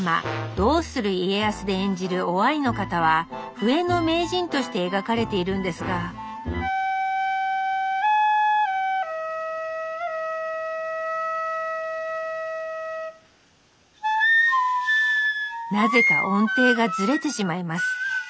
「どうする家康」で演じる於愛の方は笛の名人として描かれているんですがなぜか音程がずれてしまいます。